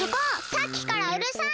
さっきからうるさい！